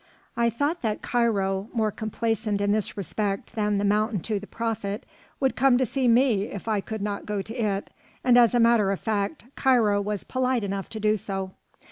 I thought that Cairo, more complaisant in this respect than the mountain to the prophet, would come to me if I could not go to it, and as a matter of fact, Cairo was polite enough to do so.